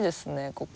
ここ。